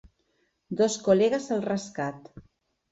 Dos col·legues al rescat.